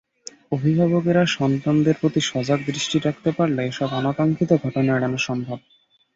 অভিভাবকেরা সন্তানদের প্রতি সজাগ দৃষ্টি রাখতে পারলে এসব অনাকাঙ্ক্ষিত ঘটনা এড়ানো সম্ভব।